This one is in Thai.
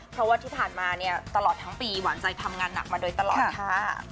เพราะว่าที่ผ่านมาเนี่ยตลอดทั้งปีหวานใจทำงานหนักมาโดยตลอดค่ะ